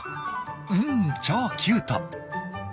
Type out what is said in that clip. うん超キュート！